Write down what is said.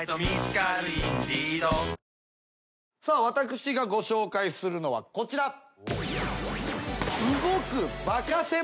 私がご紹介するのはこちら。